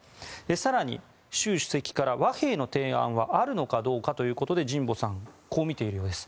更に、習主席から和平の提案はあるのかということで神保さんこう見ているようです。